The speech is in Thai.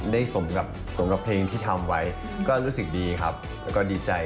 สมกับสมกับเพลงที่ทำไว้ก็รู้สึกดีครับแล้วก็ดีใจ